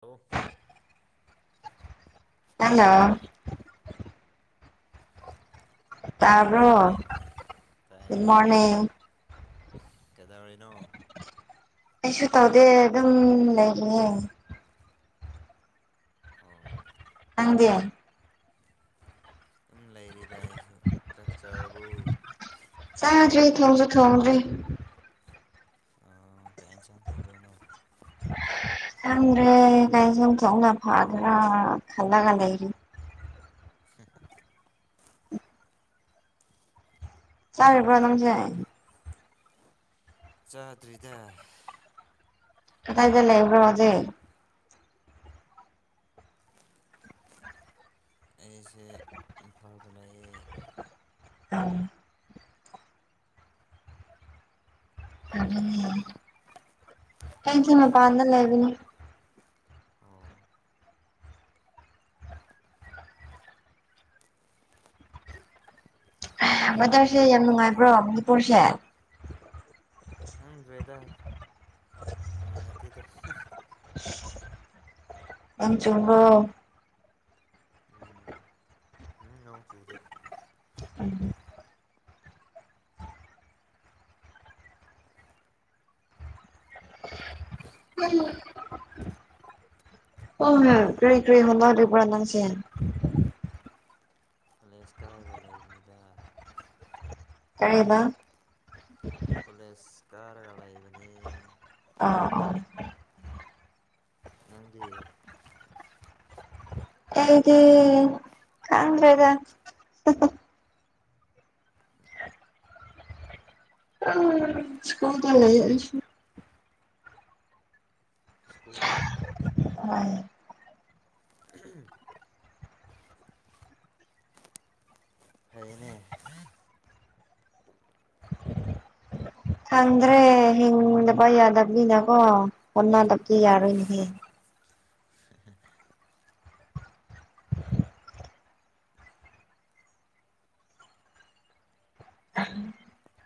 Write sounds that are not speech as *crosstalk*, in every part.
hello hello ꯨꯒꯨꯠ ꯇꯥꯕ꯭ꯔꯣ morning good ꯇꯥꯏꯌꯦ ꯇꯥꯏꯌꯦ ꯃꯣꯔꯅꯤꯡ ꯀꯩꯗꯧꯔꯤꯅꯣ ꯀꯁꯨ ꯇꯧꯗꯦ ꯑꯗꯨꯝ ꯂꯩꯔꯤꯌꯦ ꯑꯣ ꯅꯪꯗꯤ ꯁꯨꯝ ꯂꯩꯔꯤꯗꯥ ꯑꯩꯁꯨ ꯆꯥꯛ ꯆꯥꯔꯕ꯭ꯔꯣ ꯆꯥꯗ꯭ꯔꯤ ꯊꯣꯡꯁꯨ ꯊꯣꯡꯗ꯭ꯔꯤ ꯑ ꯀꯩ ꯏꯟꯁꯥꯡ ꯊꯣꯡꯗꯣꯏꯅꯣ ꯈꯪꯗ꯭ꯔꯦ ꯀꯩ ꯏꯟꯖꯥꯡ ꯊꯣꯡꯕꯅ ꯐꯗ꯭ꯔ ꯈꯜꯂꯒ ꯂꯩꯔꯤ ꯐ *inaudible* ꯆꯥꯗ꯭ꯔꯤꯕꯣ ꯅꯪꯁꯦ ꯆꯥꯗ꯭ꯔꯤꯗ ꯀꯗꯥꯏꯗ ꯂꯩꯕ꯭ꯔꯣ ꯍꯧꯖꯤꯛ ꯑꯩꯁꯦ ꯏꯝꯐꯥꯜꯗ ꯂꯩꯥꯌꯦ *inaudible* ꯅꯪꯗꯤ ꯎ ꯑꯩꯁꯨ ꯃꯄꯥꯟꯗ ꯂꯩꯕꯅꯤ ꯑꯣ ꯀꯔꯤ ꯋꯦꯗꯔꯁꯦ ꯀꯔꯤ ꯌꯥꯝ ꯍꯣꯠꯅ ꯅꯨꯡꯉꯥꯏꯕ꯭ꯔꯣ ꯃꯅꯤꯄꯨꯔꯁꯦ ꯈꯪꯗ꯭ꯔꯦꯗ ꯅꯨꯡꯉꯥꯏꯇꯦꯗ ꯅꯣꯡ ꯆꯨꯕ꯭ꯔꯣ ꯎꯝ ꯎꯝ ꯅꯣꯡ ꯆꯨꯗꯦ *inaudible* *inaudible* ꯑꯣ ꯀꯔꯤ ꯀꯔꯤ ꯍꯣꯠꯅꯔꯤꯕ꯭ꯔꯥ ꯅꯪꯁꯤ ꯀꯣꯂꯦꯁ ꯀꯥꯔꯒ ꯂꯩꯕꯅꯤꯗ ꯀꯔꯤꯍꯥꯏꯕ ꯀꯣꯂꯦꯁ ꯀꯥꯔꯒ ꯂꯩꯕꯅꯦ *inaudible* ꯅꯪꯗꯤ ꯑꯩꯗꯤ ꯈꯪꯗ꯭ꯔꯦꯗ ꯏꯁ꯭ꯀꯨꯜꯗ ꯂꯩꯑꯦ ꯑꯩꯁꯨ ꯁ꯭ꯀꯨꯜꯗ ꯑꯥꯏ *inaudible* ꯐꯩꯅꯦ ꯍꯪꯗ꯭ꯔꯦ ꯍꯤꯡꯗ ꯌꯥꯗꯕꯅꯤꯅꯀꯣ ꯍꯣꯠꯅꯗꯕꯗꯤ ꯎꯝ ꯌꯥꯔꯣꯏ ꯅꯦꯍꯦ *unintelligible* *unintelligible*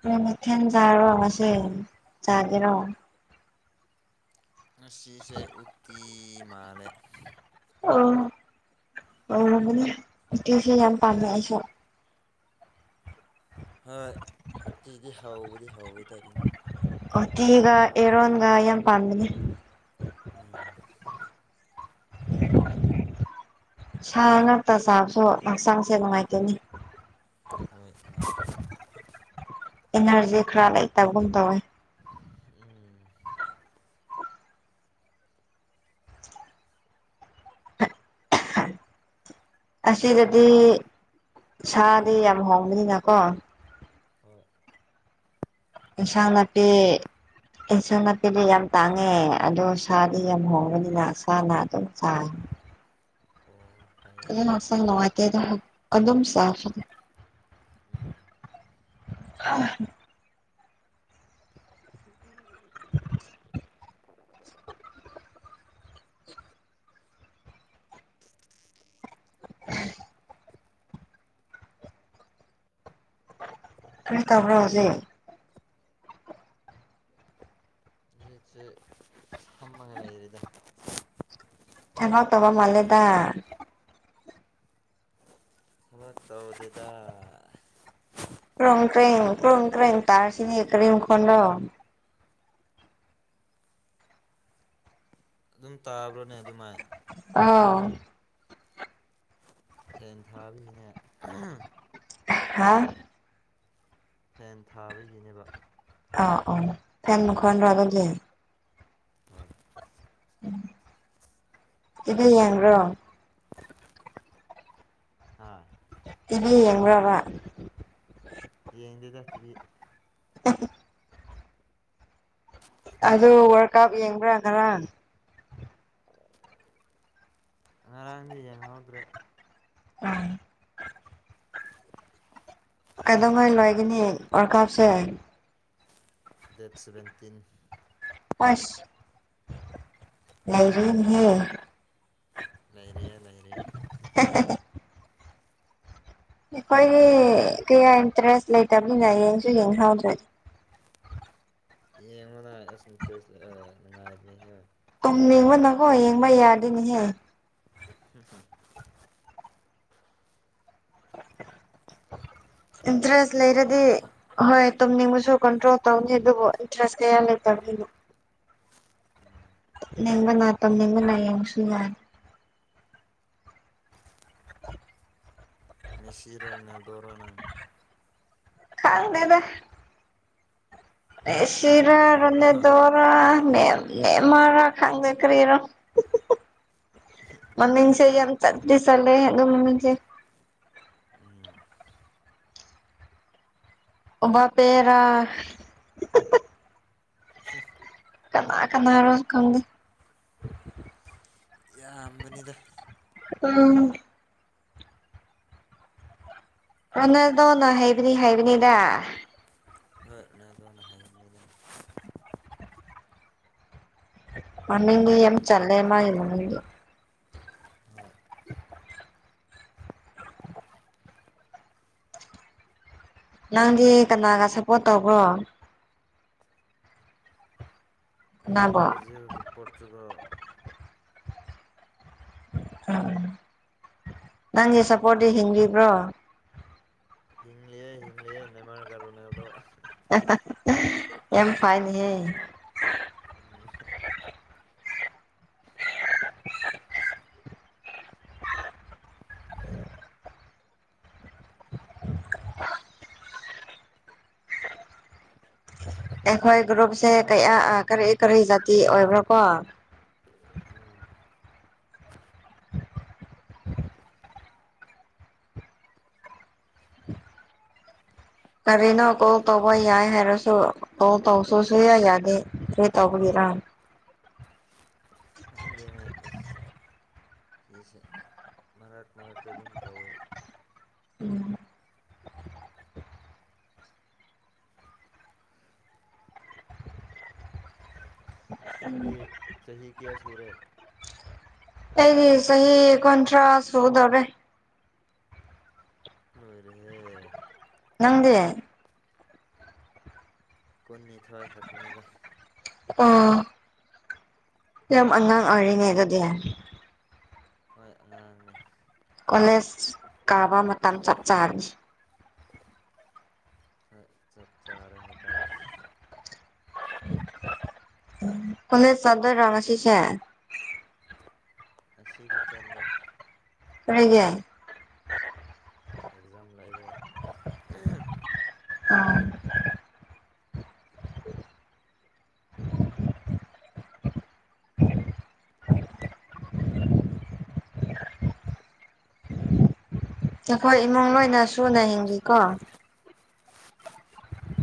ꯀꯩ ꯃꯥꯊꯦꯟ ꯆꯥꯔꯕꯣ ꯉꯁꯤ ꯆꯥꯒꯦꯔꯣ ꯉꯁꯤꯁꯦ ꯎꯠꯇꯤ ꯃꯥꯜꯂꯦ ꯑꯣ ꯍꯥꯎꯔꯝꯒꯥꯅꯤ ꯎꯇꯤꯁꯦ ꯌꯝ ꯄꯥꯝꯃꯦ ꯑꯩꯁꯨ ꯍꯣꯏ ꯎꯇꯤꯗꯤ ꯍꯥꯎꯕꯨꯗꯤ ꯍꯥꯎꯋꯦꯗꯥ ꯑꯗꯨꯝ ꯑꯣꯇꯤꯒꯥ ꯑꯦꯔꯣꯟꯒꯥ ꯌꯥꯝ ꯄꯥꯝꯕꯅꯦ ꯎꯝ ꯁꯥ ꯉꯛꯇꯥ ꯆꯥꯕꯁꯨ ꯍꯛꯆꯥꯡꯁꯦ ꯅꯨꯡꯉꯥꯏꯇꯦꯅꯦ ꯍꯣꯏ *unintelligible* ꯏꯅꯔꯖꯤ ꯈꯔ ꯂꯩꯇꯕꯒꯨꯝ ꯇꯧꯋꯦ ꯎꯝ ꯑꯁꯤꯗꯥꯗꯤ ꯁꯥꯗꯤ ꯌꯥꯝ ꯍꯣꯡꯕꯅꯤꯅꯀꯣ ꯍꯣꯏ ꯏꯟꯁꯥꯡ ꯅꯥꯄꯤ ꯏꯟꯁꯟ ꯅꯥꯄꯤꯗꯤ ꯌꯥꯝ ꯇꯥꯡꯉꯦ ꯑꯗꯣ ꯁꯥꯗꯤ ꯌꯥꯝ ꯍꯣꯡꯕꯅꯤꯅ ꯁꯥꯅ ꯑꯗꯨꯝ ꯆꯥꯏ ꯑꯣ ꯐꯩ *unintelligible* ꯅꯨꯉꯥꯏꯇꯦꯗ ꯍꯛ ꯑꯗꯨꯝ ꯆꯥꯐꯅꯤ ꯎꯝ *unintelligible* *unintelligible* *unintelligible* ꯀꯔꯤ ꯇꯧꯕ꯭ꯔꯣ ꯍꯧꯖꯤꯛ ꯖꯤꯛꯁꯦ ꯐꯝꯃꯒꯥ ꯂꯩꯔꯤꯗꯥ *unintelligible* ꯇꯧꯕ ꯃꯥꯂꯦꯗ ꯕꯥ ꯇꯧꯗꯦꯗꯥ ꯀ꯭ꯔꯣꯡ ꯀ꯭ꯔꯦꯡ ꯀ꯭ꯔꯣꯡ ꯀ꯭ꯔꯦꯡ ꯇꯥꯔꯁꯤꯅꯤ ꯀꯔꯤ ꯃꯈꯣꯟꯅꯣ ꯑꯗꯨꯝ ꯇꯥꯕ꯭ꯔꯣꯅꯦ ꯑꯗꯨꯃꯥꯏ ꯑꯥꯎ ꯐꯦꯟ ꯊꯥꯕꯤꯒꯤꯅ *unintelligible* ꯑꯥ ꯍꯥ ꯐꯦꯟ ꯊꯥꯕꯒꯤꯅꯦꯕ ꯑꯥ ꯑꯣ ꯐꯦꯟ ꯃꯈꯣꯟꯔꯥ ꯑꯗꯨꯗꯤ ꯍꯣꯏ ꯎꯝ ꯇꯤꯚꯤ ꯌꯦꯡꯕ꯭ꯔꯣ ꯍꯥꯥ ꯇꯤꯚꯤ ꯌꯦꯡꯕ꯭ꯔꯣꯕ ꯌꯦꯡꯗꯦꯗ ꯇꯤꯚꯤ *unintelligible* ꯑꯗꯨ ꯋꯥꯔ ꯀꯞ ꯌꯦꯡꯕ꯭ꯔꯥ ꯉꯔꯥꯡ ꯉꯔꯥꯡꯗꯤ ꯌꯦꯡꯍꯧꯗ꯭ꯔꯦ ꯎꯝ ꯀꯩꯗꯧꯉꯩ ꯂꯣꯏꯒꯥꯅꯤ ꯋꯥꯔ ꯀꯥꯞꯁꯦ ꯗꯦꯠ ꯁꯚꯦꯟꯇꯤꯟ ꯑꯣꯁ ꯂꯩꯔꯤꯅꯦꯍꯦ ꯂꯩꯔꯤꯌꯦ ꯂꯩꯔꯤꯌꯦ *unintelligible* ꯑꯩꯈꯣꯏꯒꯤ ꯅꯪ ꯀꯌꯥ ꯏꯟꯇ꯭ꯔꯦꯁ ꯂꯩꯇꯕꯅꯤꯅ ꯌꯦꯡꯁꯨ ꯌꯦꯡꯍꯧꯗ꯭ꯔꯦ ꯌꯦꯡꯉꯣꯟꯗ ꯑꯁꯇꯔꯦꯁ ꯑꯥ ꯅꯨꯡꯉꯥꯏꯕꯅꯦ ꯍꯡ ꯌꯦꯡꯕ ꯅꯀꯣ ꯌꯦꯡꯕ ꯌꯥꯗꯣꯅꯦꯍꯦ *unintelligible* *inaudible* ꯏꯟꯇꯔꯦꯁ ꯂꯩꯔꯗꯤ ꯍꯣꯏ ꯇꯨꯝꯅꯤꯡꯕꯁꯨ ꯀꯟꯇ꯭ꯔꯣꯜ ꯇꯧꯅꯤ ꯑꯗꯨꯕꯨ ꯏꯟꯇꯔꯦꯁ ꯀꯌꯥ ꯂꯩꯇꯕꯒꯤꯅꯣ ꯅꯤꯡꯕ ꯇꯝꯅꯤꯡꯕꯅ ꯌꯁꯨꯟ ꯌꯥ ꯃꯦꯁꯤꯔ ꯔꯅꯜꯗꯣꯔ ꯅꯪ ꯈꯥꯡꯗꯦꯗ ꯑꯗꯨꯗꯤ ꯃꯦꯁꯤꯔꯥ ꯅꯦꯃꯥꯔꯔꯣ ꯔꯣꯅꯗꯣꯔ ꯃꯦꯟ ꯅꯦꯃꯔ ꯔ ꯈꯪꯗꯦ ꯀꯔꯤꯔꯣ ꯃꯃꯤꯡꯁꯦ ꯌꯝ ꯆꯠꯇꯤ ꯆꯂꯍꯦ ꯑꯗꯨꯝꯃꯤꯡ ꯎꯝ ꯕꯄꯦꯔ *inaudible* ꯀꯅꯥ ꯀꯅꯥ ꯔ ꯈꯪꯗ ꯌꯥꯝꯕꯅꯤꯗ ꯎꯝ ꯔꯣꯅꯜꯗꯣ ꯅ ꯍꯩꯕꯤꯅꯤ ꯍꯥꯏꯩꯕꯤꯅꯤꯗ ꯍꯣꯏ ꯔꯣꯅꯜꯗꯣꯅ ꯍꯦꯟꯕꯅꯥꯗ ꯃꯃꯤꯡꯗꯤ ꯌꯥꯝ ꯆꯂꯦ ꯃꯥꯡꯒꯤ ꯃꯃꯤꯡꯗꯤ ꯍꯣꯏ ꯅꯪꯗꯤ ꯀꯅꯥꯒ ꯁꯞꯄꯣꯔꯠ ꯇꯧꯕ꯭ꯔꯣ ꯑꯩꯗꯤ ꯀꯅꯥꯕꯣ ꯭ꯕ꯭ꯔꯥꯖꯤꯜꯒ ꯄꯣꯔꯆꯨꯒꯜ ꯎꯝ ꯅꯪꯒꯤ ꯁꯞꯄꯣꯔꯠꯇꯤ ꯍꯤꯡꯂꯤꯕ꯭ꯔꯣ ꯍꯤꯡꯂꯤꯑꯦ ꯍꯤꯡꯂꯤꯌꯦ ꯅꯦꯃꯥꯔꯒ ꯔꯣꯅꯜꯗꯣ ꯌꯥꯝꯐꯥꯏꯅꯦ ꯍꯦ ꯎꯝ ꯑꯩꯈꯣꯏ ꯒ꯭ꯔꯨꯞꯁꯦ ꯀꯩꯌꯥ ꯀꯔꯤ ꯀꯔꯤ ꯖꯥꯇꯤ ꯑꯣꯏꯕ꯭ꯔꯥ ꯀꯣ *unintelligible* ꯀꯔꯤꯅꯣ ꯀꯣꯜ ꯇꯧꯕ ꯌꯥꯏ ꯍꯥꯏꯔꯁꯨ ꯇꯧ ꯇꯧꯁꯨ ꯁꯨꯡꯌ ꯌꯥꯗꯦ ꯀꯔꯤ ꯇꯧꯕꯒꯤꯔ *inaudible* ꯑꯩꯁꯦ ꯃꯔꯛ ꯃꯔꯛꯇ ꯑꯗꯨꯝ ꯇꯧꯋꯦ ꯎꯝ ꯏꯁꯇꯗꯤ ꯆꯍꯤ ꯀꯌꯥ ꯁꯨꯔꯦ ꯑꯩꯅꯤ ꯁꯍꯤ ꯀꯨꯟꯊ꯭ꯔꯥ ꯁꯨꯗꯣꯔꯦ ꯅꯣꯏꯔꯤꯍꯦ ꯅꯪꯗꯤ ꯀꯨꯟꯅꯤꯊꯣꯏ ꯈꯛꯇꯅꯤꯗ ꯑꯣ ꯌꯥꯝ ꯑꯉꯥꯡ ꯑꯣꯏꯔꯤꯅꯦ ꯑꯗꯨꯗꯤ ꯍꯣꯏ ꯑꯉꯥꯡꯅꯦ ꯀꯣꯂꯦꯖ ꯀꯥꯕ ꯃꯇꯝ ꯆꯞ ꯆꯥꯅꯤ ꯆꯠ ꯆꯥꯔꯦ ꯍꯥꯏ ꯇꯥꯔꯦ ꯀꯣꯂꯦꯖ ꯆꯠꯗꯣꯔꯥ ꯉꯥꯁꯤꯁꯦ ꯑꯁꯤꯗꯤ ꯆꯠꯂꯣꯏ *unintelligible* ꯑꯦꯛꯖꯝ ꯂꯩꯕꯩ *inaudible* ꯅꯈꯣꯏ ꯏꯃꯨꯡ ꯂꯣꯏꯅ ꯁꯨꯅ ꯍꯤꯡꯂꯤꯀꯣ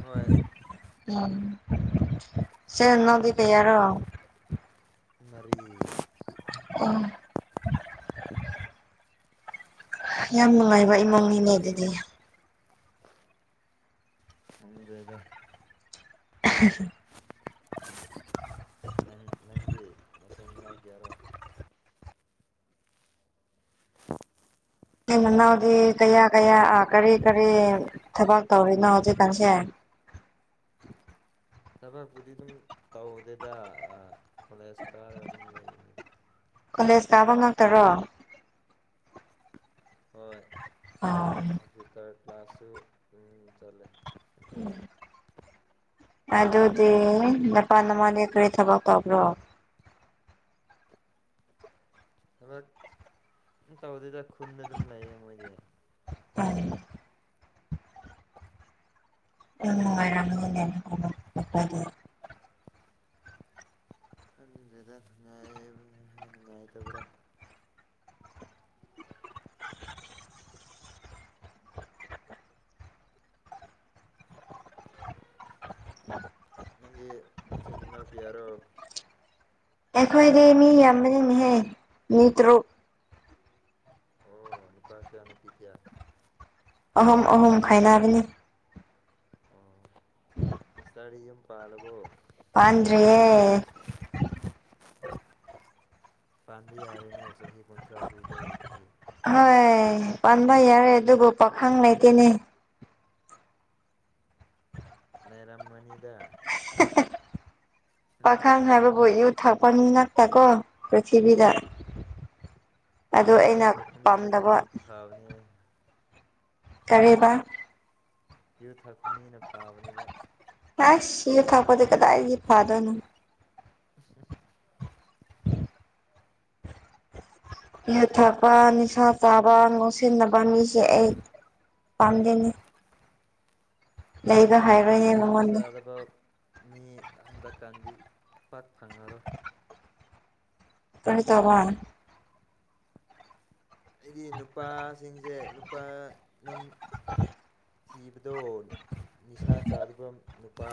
ꯍꯣꯏ ꯎꯝ ꯆꯤꯜ ꯏꯅꯥꯎꯗꯤ ꯀꯌꯥꯔꯣ ꯃꯔꯤ ꯑꯣ ꯌꯥꯝ ꯅꯨꯡꯉꯥꯏꯕ ꯏꯃꯨꯡꯅꯤꯅꯦ ꯑꯗꯨꯗꯤ ꯈꯪꯗꯦꯗ *inaudible* ꯅꯪ ꯅꯪꯗꯤ ꯅꯆꯤꯟ ꯅꯅꯥꯎ ꯀꯌꯥꯔꯣ ꯃꯅꯥꯎꯗꯤ ꯀꯌꯥ ꯀꯌꯥ ꯑꯥ ꯀꯔꯤ ꯀꯔꯤ ꯊꯕꯛ ꯇꯧꯔꯤꯅꯣ ꯍꯧꯖꯤꯛꯀꯥꯟꯁꯦ ꯊꯕꯛꯄꯨꯗꯤ ꯑꯗꯨꯝ ꯇꯧꯗꯦꯗ ꯀꯂꯦꯁ ꯀꯥꯔꯒ ꯑꯗꯨꯝ ꯂꯩꯕꯅꯤꯗ ꯀꯣꯂꯦꯖ ꯀꯥꯕ ꯉꯥꯛꯇꯔꯣ ꯍꯣꯏ ꯑ ꯀꯝꯄ꯭ꯌꯨꯇꯔ ꯀ꯭ꯂꯥꯁꯁꯨ ꯎꯝ ꯆꯠꯂꯦ *inaudible* ꯑꯗꯨꯗꯤ ꯅꯄꯥ ꯅꯃꯥꯗꯤ ꯀꯔꯤ ꯊꯕꯛ ꯇꯧꯕ꯭ꯔꯣ ꯊꯕꯛ ꯑꯝ ꯇꯧꯗꯦꯗ ꯈꯨꯟꯗ ꯑꯗꯨꯝ ꯂꯩꯌꯦ ꯃꯣꯏꯗꯤ *unintelligible* ꯌꯥꯝ ꯅꯨꯉꯥꯏꯔꯝꯅꯤꯅꯦ *unintelligible* ꯈꯪꯗ꯭ꯔꯦꯗ ꯅꯨꯡꯉꯥꯏꯕ ꯍꯥꯏ ꯅꯨꯡꯉꯥꯏꯇꯕ꯭ꯔꯥ *inaudible* ꯅꯟꯗꯤ ꯅꯆꯤꯟ ꯅꯥꯎ ꯀꯌꯥꯔꯣ ꯑꯦꯈꯣꯏꯗꯤ ꯃꯤ ꯌꯥꯝꯕꯅꯤꯅꯤꯍꯦ ꯃꯤ ꯇ꯭ꯔꯨꯛ ꯑꯣ ꯅꯨꯄꯥ ꯀꯌꯥ ꯅꯨꯄꯤ ꯀꯌꯥ ꯑꯍꯨꯝ ꯑꯍꯨꯝ ꯈꯥꯏꯅꯕꯅꯤ ꯑꯣ *inaudible* ꯁꯤꯁꯇꯔꯗꯤ ꯌꯨꯝ ꯄꯥꯜꯂꯕꯣ ꯄꯥꯟꯗ꯭ꯔꯤꯌꯦ ꯄꯥꯟꯕ ꯌꯥꯔꯦꯅꯦ ꯆꯍꯤ ꯀꯨꯟꯊ꯭ꯔꯥ ꯁꯨꯗꯧꯔꯗꯨꯗꯤ ꯍꯣꯏ ꯄꯥꯟꯕ ꯌꯥꯔꯦ ꯑꯗꯨꯕꯨ ꯄꯥꯈꯪ ꯂꯩꯇꯦꯅꯦ ꯂꯩꯔꯝꯃꯅꯤꯗ ꯄꯥꯈꯪ ꯍꯥꯏꯕꯕꯨ ꯌꯨ ꯊꯛꯄ ꯃꯤ ꯉꯥꯛꯇ ꯀꯣ ꯄ꯭ꯔꯤꯊꯤꯕꯤꯗ ꯑꯗꯣ ꯑꯩꯅ ꯄꯥꯝꯗꯕ ꯊꯥꯕꯅꯦ ꯀꯔꯦꯕ ꯌꯨ ꯊꯛꯄ ꯃꯤꯅ ꯐꯥꯕꯅꯦꯕ ꯑꯁ ꯌꯨ ꯊꯛꯄꯗꯤ ꯀꯗꯥꯏꯗꯒꯤ ꯐꯥꯗꯣꯏꯅꯣ ꯌꯨ ꯊꯛꯄ ꯅꯤꯁꯥ ꯆꯥꯕ ꯉꯥꯎꯁꯤꯟꯅꯕ ꯃꯤꯁꯦ ꯑꯩ ꯄꯥꯝꯗꯦꯅꯦ ꯂꯩꯕ ꯍꯥꯏꯔꯣꯏꯅꯦ ꯅꯤꯁꯥ ꯃꯉꯣꯟꯗ ꯆꯥꯗꯕ ꯃꯤ ꯍꯟꯗꯛꯀꯥꯟꯗꯤ ꯄꯥꯛ ꯐꯪꯉꯔꯣꯏ ꯀꯔꯤ ꯇꯧꯕ꯭ꯔꯥ ꯑꯩꯗꯤ ꯅꯨꯄꯥꯁꯤꯡꯁꯦ ꯅꯨꯄꯥ ꯅꯪ ꯊꯤꯕꯗꯣ ꯅꯤ ꯅꯤꯁꯥ ꯆꯥꯗꯕ ꯅꯨꯄꯥ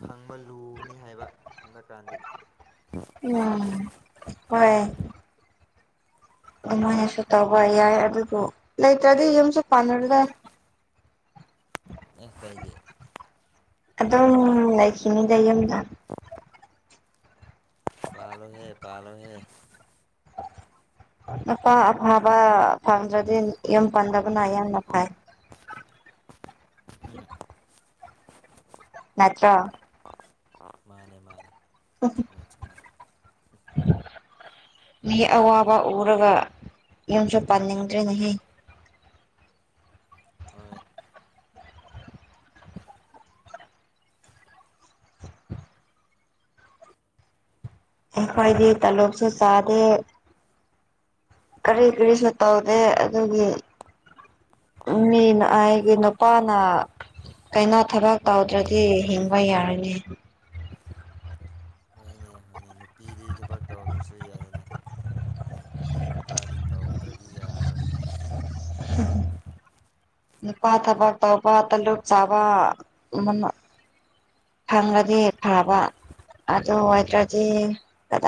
ꯐꯪꯕ ꯂꯨꯒꯅꯤ ꯍꯥꯏꯕ ꯍꯟꯗꯛꯀꯥꯟꯗꯤ ꯎꯝ ꯍꯣꯏ ꯑꯗꯨꯃꯥꯏꯅꯁꯨ ꯇꯧꯕ ꯌꯥꯏ ꯑꯗꯨꯕꯨ ꯂꯩꯇ꯭ꯔꯗꯤ ꯌꯨꯝꯁꯨ ꯄꯥꯟꯅꯔꯣꯢꯗ *unintelligible* ꯀꯩꯒꯤ ꯑꯗꯨꯝ ꯂꯩꯈꯤꯅꯤꯗ ꯌꯨꯝꯗ ꯄꯥꯜꯂꯣꯍꯦ ꯄꯥꯜꯂꯣꯍꯦ ꯅꯨꯄꯥ ꯑꯐꯕ ꯐꯪꯗ꯭ꯔꯗꯤ ꯌꯨꯝ ꯄꯥꯟꯗꯕꯅ ꯌꯥꯝꯅ ꯐꯩ *unintelligible* ꯅꯠꯇ꯭ꯔꯣ ꯃꯥꯅꯦ ꯃꯥꯅꯦ ꯆꯨꯝꯃꯦ ꯆꯨꯝꯃꯦ *unintelligible* ꯃꯤ ꯑꯋꯥꯕ ꯎꯔꯒ ꯌꯨꯝꯁꯨ ꯄꯥꯅꯤꯡꯗ꯭ꯔꯦ ꯅꯦꯍꯦ ꯍꯣꯏ ꯑꯩꯈꯣꯏꯗꯤ ꯇꯥꯂꯣꯞꯁꯨ ꯆꯥꯗꯦ ꯀꯔꯤ ꯀ꯭ꯔꯤꯁꯨ ꯇꯧꯗꯦ ꯑꯗꯨꯒꯤ ꯃꯤꯅ ꯑꯥꯢꯒꯤ ꯅꯨꯄꯥꯅ ꯀꯩꯅꯣ ꯊꯕꯛ ꯇꯧꯗ꯭ꯔꯗꯤ ꯍꯤꯡꯕ ꯌꯥꯔꯅꯤ ꯍꯣꯏꯅꯦ ꯍꯣꯏꯅꯦ ꯅꯨꯄꯤ ꯗꯤ ꯊꯕꯛ ꯇꯧꯗ꯭ꯔꯁꯨ ꯌꯥꯏꯌꯦꯅꯦ ꯅꯨꯄꯥꯗꯤ ꯇꯧꯗ꯭ꯔꯗꯤ ꯌꯥꯔꯣꯏꯅꯦ *unintelligible* *unintelligible* ꯅꯨꯄꯥ ꯊꯕꯛ ꯇꯧꯕ ꯇꯥꯂꯣꯞ ꯆꯥꯕ *unintelligible* ꯐꯪꯔꯗꯤ ꯐꯕ ꯑꯗꯨ ꯑꯣꯏꯗ꯭ꯔꯗꯤ ꯀꯗꯥꯏ